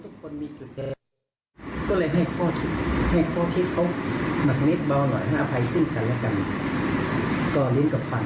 เข้าใกล้ขึ้นใจเข้าใจซึ่งใจแล้วกัน